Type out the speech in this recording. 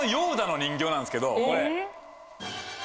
人形なんですけどこれ。